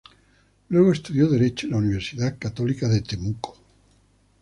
Luego estudió derecho en la Universidad Católica de Temuco.